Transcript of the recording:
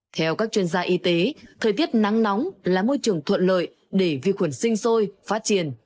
theo các chuyên gia y tế thời tiết nắng nóng là môi trường thuận lợi để vi khuẩn sinh sôi phát triển